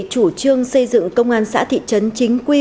chủ trương xây dựng công an xã thị trấn chính quy